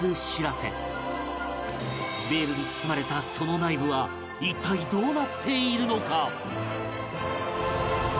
ベールに包まれたその内部は一体どうなっているのか？